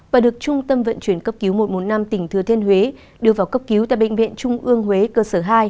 và được trung tâm vận chuyển cấp cứu một trăm một mươi năm tỉnh thừa thiên huế đưa vào cấp cứu tại bệnh viện trung ương huế cơ sở hai